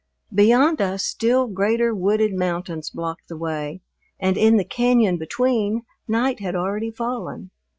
Beyond us still greater wooded mountains blocked the way, and in the cañon between night had already fallen.